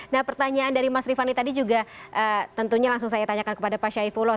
nah pertanyaan dari mas rifany tadi juga tentunya langsung saya tanyakan kepada pak syaifullah